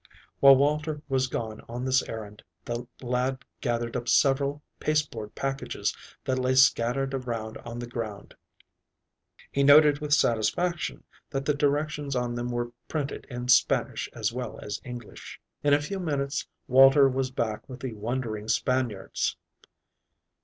While Walter was gone on this errand, the lad gathered up several pasteboard packages that lay scattered around on the ground. He noted with satisfaction that the directions on them were printed in Spanish as well as English. In a few minutes Walter was back with the wondering Spaniards.